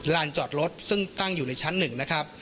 ลานจอดรถซึ่งตั้งอยู่ในชั้นหนึ่ง